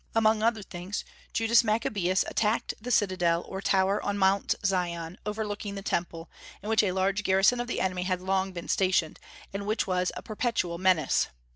Among other things, Judas Maccabaeus attacked the citadel or tower on Mount Zion, overlooking the Temple, in which a large garrison of the enemy had long been stationed, and which was a perpetual menace.